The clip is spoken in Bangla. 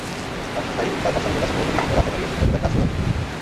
রাজশাহী বাইপাস সড়কের কাছে বহুপ্রতীক্ষিত রাজশাহী মেডিকেল বিশ্ববিদ্যালয়ের কাজ শুরু হবে।